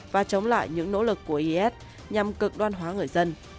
và chống lại những nỗ lực của is nhằm cực đoan hóa người dân